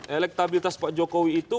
elektabilitas pak jokowi itu